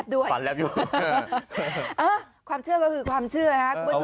พี่ทำยังไงฮะ